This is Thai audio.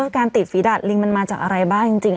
การติดฝีดาดลิงมันมาจากอะไรบ้างจริง